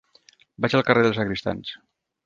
Vaig al carrer dels Sagristans.